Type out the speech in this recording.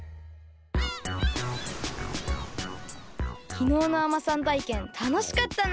きのうのあまさんたいけんたのしかったな。